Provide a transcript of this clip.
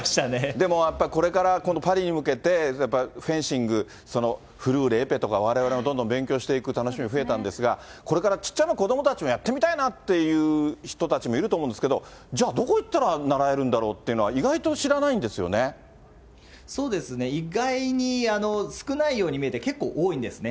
でもやっぱり、これから今度、パリに向けて、フェンシング、フルーレ、エペとかわれわれもどんどん勉強していく楽しみ増えたんですが、これからちっちゃな子どもたちもやってみたいなという人たちもいると思うんですけど、じゃあ、どこ行ったら習えるんだろうっていうのは、意外と知らないんですそうですね、意外に少ないように見えて、結構多いんですね。